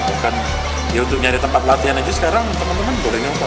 bukan ya untuk nyari tempat latihan aja sekarang temen temen boleh nyoba